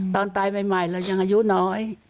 ตอนตายใหม่เรายังอายุน้อย